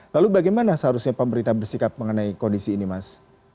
lalu bagaimana seharusnya pemerintah bersikap mengenai kondisi ini mas